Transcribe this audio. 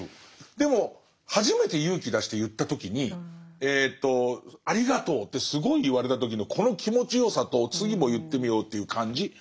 でも初めて勇気出して言った時に「ありがとう」ってすごい言われた時のこの気持ちよさと次も言ってみようという感じ。